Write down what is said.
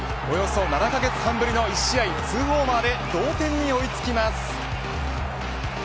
およそ７カ月半ぶりの１試合２ホーマーで同点に追いつきます。